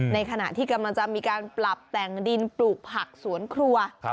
ในขณะที่กำลังจะมีการปรับแต่งดินปลูกผักสวนครัว